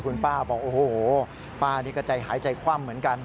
คุณป้าบอกโอ้โหป้านี่ก็ใจหายใจคว่ำเหมือนกัน